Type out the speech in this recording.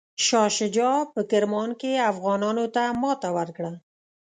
شاه شجاع په کرمان کې افغانانو ته ماته ورکړه.